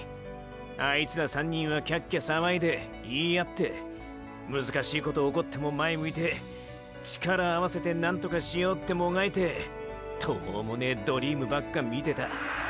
あいつら３人はキャッキャさわいで言い合ってムズかしいこと起こっても前向いて力合わせて何とかしようってもがいて途方もねぇドリームばっか見てた。